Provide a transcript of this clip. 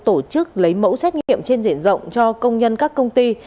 tổ chức lấy mẫu xét nghiệm trên diện rộng cho công nhân các công ty